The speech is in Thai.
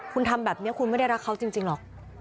คุณทำแบบนี้คุณไม่ได้รักเขาจริงหรอก